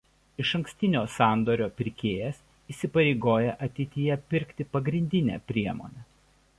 Išankstinio sandorio pirkėjas įsipareigoja ateityje pirkti pagrindinę priemonę.